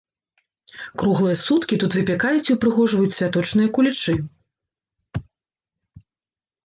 Круглыя суткі тут выпякаюць і ўпрыгожваюць святочныя кулічы.